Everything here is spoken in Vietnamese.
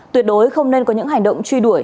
tuyệt đối không nên có những hành động truy đuổi